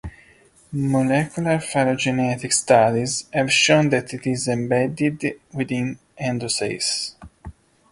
Molecular phylogenetic studies have shown that it is embedded within "Androsace".